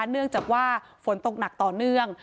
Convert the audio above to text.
เนื่องจากว่าฝนตกหนักต่อเนื่อง